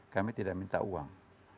kami tidak minta uang